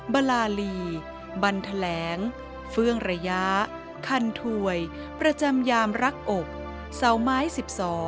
บาลาลีบันแถลงเฟื่องระยะคันถวยประจำยามรักอกเสาไม้๑๒